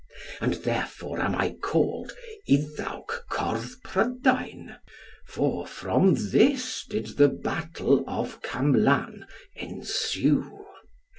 And therefore am I called Iddawc Cordd Prydain, for from this did the battle of Camlan ensue.